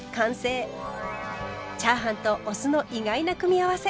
チャーハンとお酢の意外な組み合わせ。